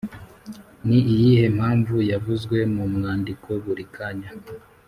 Ni iyihe mpamvu yavuzwe mu mwandiko buri kanya